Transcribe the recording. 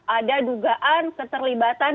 ada dugaan keterlibatan